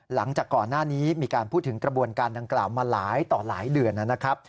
หลังจากก่อนหน้านี้มีการพูดถึงกระบวนการดังกล่าวมาหลายต่อหลายเดือนนะครับ